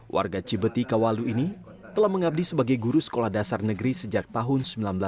warga cibeti kawalu ini telah mengabdi sebagai guru sekolah dasar negeri sejak tahun seribu sembilan ratus sembilan puluh